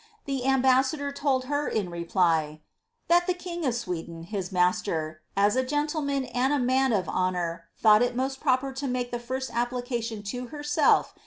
The ambassador told her, in reply, ^ that the king of Sweden, his master, as a gentleman and a man of honour, thought it most proper to make the first application to herself.